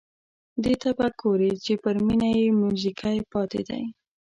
دې ته به ګوري چې پر مېنه یې موزیګی پاتې دی.